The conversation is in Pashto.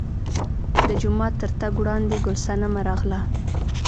د جومات تر تګ وړاندې ګل صنمه راغله.